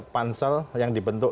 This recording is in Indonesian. pansel yang dibentuk